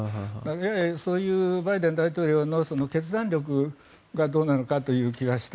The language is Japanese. そういうバイデン大統領の決断力がどうなのかという気がしました。